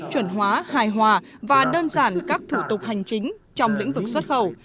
chuẩn hóa hài hòa và đơn giản các thủ tục hành chính trong lĩnh vực xuất khẩu